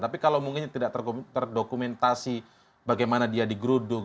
tapi kalau mungkin tidak terdokumentasi bagaimana dia digeruduk